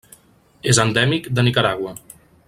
És endèmic de Nicaragua.